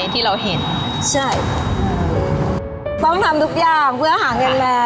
ที่เราเห็นใช่ต้องทำทุกอย่างเพื่อหาเงินมา